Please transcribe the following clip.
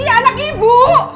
ya anak ibu